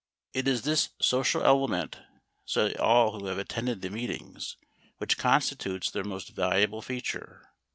It is this social element, say all who have attended the meetings, which constitutes their most valuable feature.